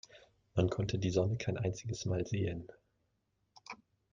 Man konnte die Sonne kein einziges Mal sehen.